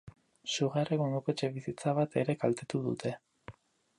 Sugarrek ondoko etxebizitza bat ere kaltetu dute.